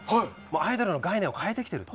アイドルの概念を変えている。